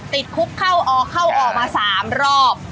ติดคุกเข้าออกมา๓รอบ